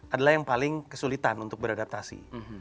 adalah yang paling kesulitan untuk beradaptasi